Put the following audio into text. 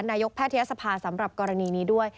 แพทยศภาสำหรับกรณีนี้ด้วย